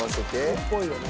靴っぽいよね。